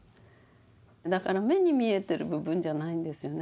だから目に見えてる部分じゃないんですよね。